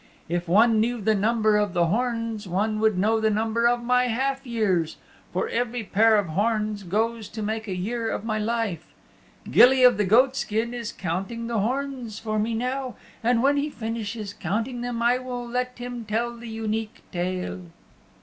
If one knew the number of the horns one would know the number of, my half years, for every pair of horns goes to make a year of my life. Gilly of the Goatskin is counting the horns for me now, and when he finishes counting them I will let him tell the Unique Tale."